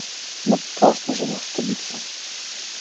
Напрасно ж она стыдится.